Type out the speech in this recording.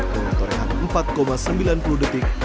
dengan torehan empat sembilan puluh detik